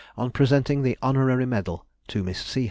on presenting the Honorary Medal to Miss C.